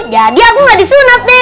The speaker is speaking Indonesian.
jadi aku gak disunat deh